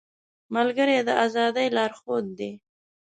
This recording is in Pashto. ملګری د ازادۍ لارښود دی